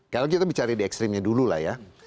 kalau kita bicara di ekstrimnya dulu lah ya